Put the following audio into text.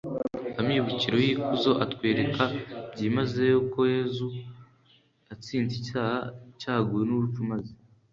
amibukiro y'ikuzo atwereka byimazeyo ko yezu yatsinze icyaha, icyago n'urupfu maze